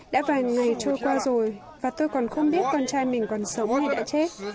đã vài ngày trôi qua rồi và tôi còn không biết con trai mình còn sống thì đã chết